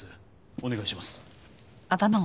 お願いします。